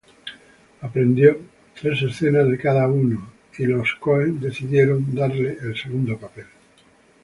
Aprendió tres escenas de cada uno, y los Coen decidieron darle el segundo papel.